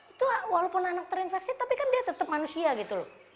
itu walaupun anak terinfeksi tapi kan dia tetap manusia gitu loh